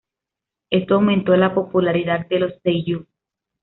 Esto aumentó la popularidad de los seiyū.